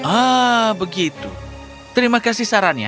ah begitu terima kasih sarannya